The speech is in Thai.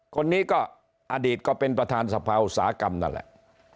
คนนี้ก็อดีตก็เป็นประธานสภาอุตสาหกรรมนั่นแหละ